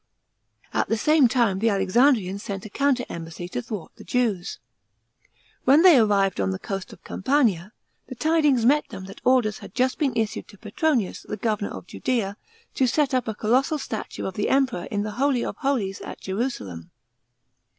At the same time the Alexan drians sent a counter embassy to thwart the Jews. When they arrived on the coast of Campania, the tidings met them that orders had just been issued to Petronius, the governor of Judea, to set up a colossal statue of the Emperor in the Holy of Holies at Jerusalem.